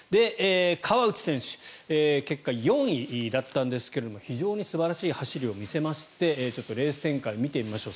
川内選手結果４位だったんですが非常に素晴らしい走りを見せましてちょっとレース展開見てみましょう。